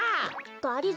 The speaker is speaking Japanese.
がりぞー